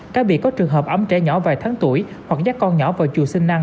các việc có trường hợp ấm trẻ nhỏ vài tháng tuổi hoặc dắt con nhỏ vào chùa sinh năng